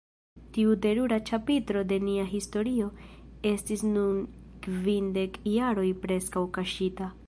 Tiu terura ĉapitro de nia historio estis dum kvindek jaroj preskaŭ kaŝita.